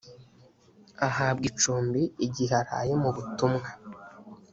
ahabwa icumbi igihe araye mu butumwa